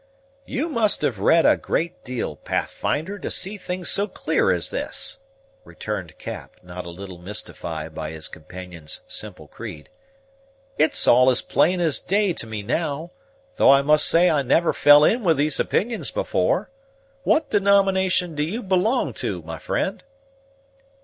"You must have read a great deal, Pathfinder, to see things so clear as this," returned Cap, not a little mystified by his companion's simple creed. "It's all as plain as day to me now, though I must say I never fell in with these opinions before. What denomination do you belong to, my friend?"